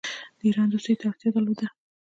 د ایران دوستی ته اړتیا درلوده.